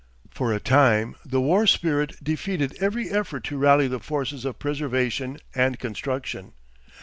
For a time the war spirit defeated every effort to rally the forces of preservation and construction.